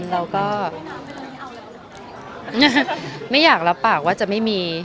เราก็ไม่อยากรับปากว่าจะไม่มี